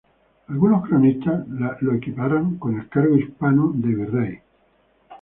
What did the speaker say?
Algunos cronistas lo equiparan con el cargo hispano de virrey.